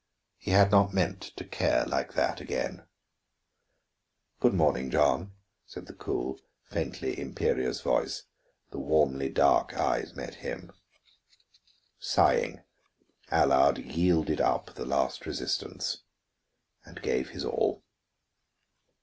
He had not meant to care like that again "Good morning, John," said the cool, faintly imperious voice; the warmly dark eyes met his. Sighing, Allard yielded up the last resistance and gave his all.